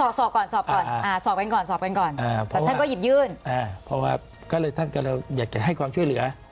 สอบก่อนสอบก่อนท่านก็หยิบยื่นเพราะว่าท่านก็อยากให้ความช่วยเหลือ